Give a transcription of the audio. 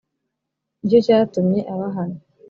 Ni cyo cyatumye abahana